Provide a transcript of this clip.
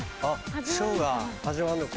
ショーが始まるのか。